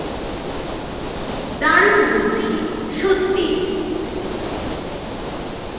দারুণ বুদ্ধি, সত্যিই।